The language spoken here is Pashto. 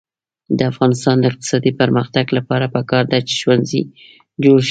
د افغانستان د اقتصادي پرمختګ لپاره پکار ده چې ښوونځي جوړ شي.